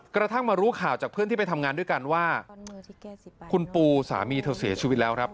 กระทั่งมารู้ข่าวจากเพื่อนที่ไปทำงานด้วยกันว่าคุณปูสามีเธอเสียชีวิตแล้วครับ